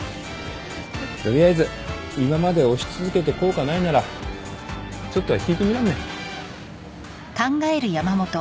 取りあえず今まで押し続けて効果ないならちょっとは引いてみらんね。